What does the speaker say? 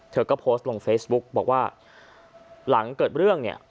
เธอก็โพสต์ลงเฟซบุ๊กบอกว่าหลังเกิดเรื่องเนี่ย